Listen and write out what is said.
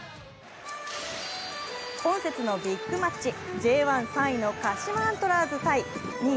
今節のビッグマッチ、Ｊ１３位の鹿島アントラーズ×２位